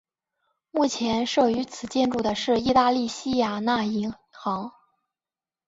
目前设于此建筑的是意大利西雅那银行。